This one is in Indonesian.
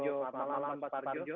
selamat malam pak suparjo